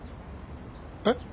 えっ？